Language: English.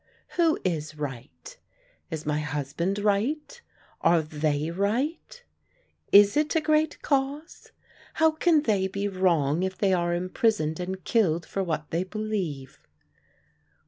Who is right? Is my husband right? Are they right? Is it a great cause? How can they be wrong if they are imprisoned and killed for what they believe?